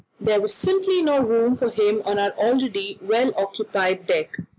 There simply was no room for him on our already well occupied deck.